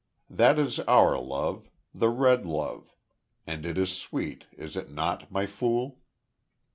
That is our love the Red Love and it is sweet, is it not, My Fool?"